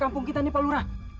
kampung kita nih balurah